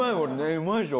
うまいでしょ？